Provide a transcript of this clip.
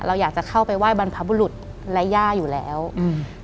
เราอยากจะเข้าไปไหว้บรรพบุรุษและย่าอยู่แล้วอืม